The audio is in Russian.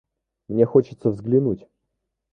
Мне хочется взглянуть.